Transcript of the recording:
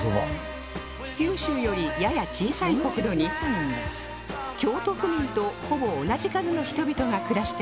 九州よりやや小さい国土に京都府民とほぼ同じ数の人々が暮らしています